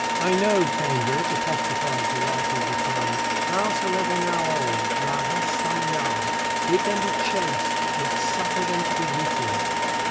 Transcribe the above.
"I know, Cambridge," apostrophized a writer of the time, "howsoever now old, thou hast some young. Bid them be chaste, yet suffer them to be witty.